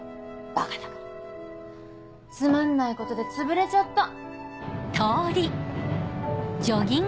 ばかだからつまんないことでつぶれちゃった。